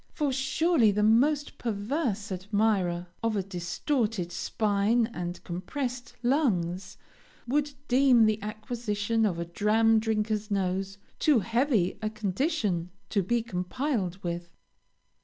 for surely the most perverse admirer of a distorted spine and compressed lungs, would deem the acquisition of a dram drinker's nose, too heavy a condition to be complied with.